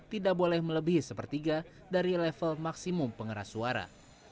tidak boleh melebihi sepertiga dari level maksimum pengeras suara